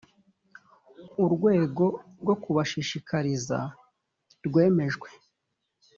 urwego rwo kubashishikariza rwemejwe.